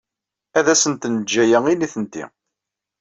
Ad asent-neǧǧ aya i nitenti.